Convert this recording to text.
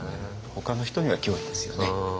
ほかの人には脅威ですよね。